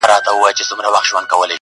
• د وطن په قدر مساپر ښه پوهېږي -